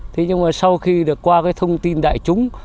thế nhưng mà sau khi được qua cái thông tin đại chúng